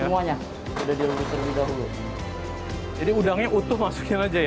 udah direbus lebih dahulu jadi udangnya utuh masukin aja ya